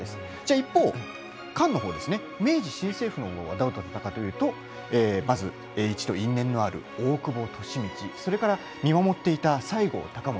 一方、官のほう明治新政府のほうはどうだったかというと栄一と因縁のある大久保利通見守っていた西郷隆盛。